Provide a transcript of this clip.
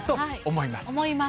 思います？